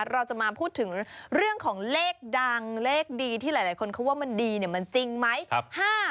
เราจะมาพูดถึงเรื่องของเลขดังเลขดีที่หลายคนเขาว่ามันดีมันจริงไหม